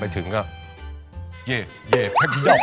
ไปถึงก็เย่เย่ภาพยาก